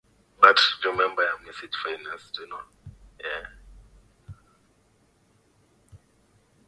kwa hivyo hatua yake ya kujaribu kujipendekeza kwa